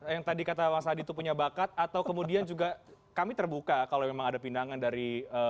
yang tadi kata mas adi itu punya bakat atau kemudian juga kami terbuka kalau memang ada pinangan dari